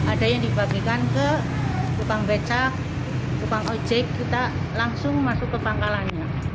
ada yang dibagikan ke tukang becak tukang ojek kita langsung masuk ke pangkalannya